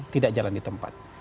tidak jalan di tempat